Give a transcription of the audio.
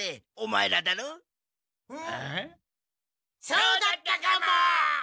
そうだったかも。